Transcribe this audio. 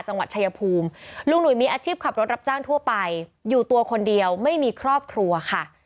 จังหวัดชายภูมิลุงหนุ่ยมีอาชีพขับรถรับจ้างทั่วไปอยู่ตัวคนเดียวไม่มีครอบครัวค่ะ